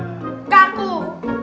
assalamualaikum warahmatullahi wabarakatuh